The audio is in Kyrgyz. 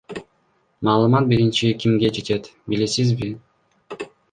Маалымат биринчи кимге жетет, билесизби?